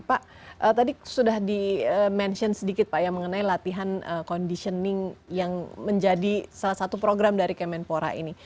pak tadi sudah di mention sedikit pak ya mengenai latihan conditioning yang menjadi salah satu program dari kemenpora ini